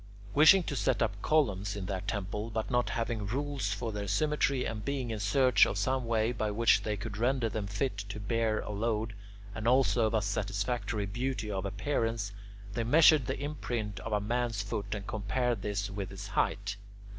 Wishing to set up columns in that temple, but not having rules for their symmetry, and being in search of some way by which they could render them fit to bear a load and also of a satisfactory beauty of appearance, they measured the imprint of a man's foot and compared this with his height.